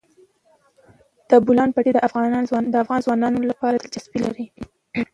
د بولان پټي د افغان ځوانانو لپاره دلچسپي لري.